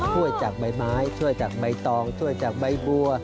ช่วยจากใบไม้ช่วยจากใบตองช่วยจากใบบัว